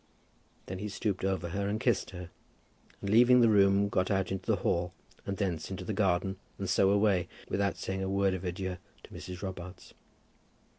Then he stooped over her and kissed her, and leaving the room, got out into the hall and thence into the garden, and so away, without saying a word of adieu to Mrs. Robarts.